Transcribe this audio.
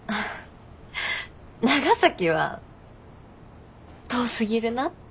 長崎は遠すぎるなって。